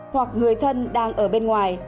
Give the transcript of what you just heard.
hoặc người thân đang ở bên ngoài